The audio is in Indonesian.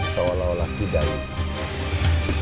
seolah olah tidak ada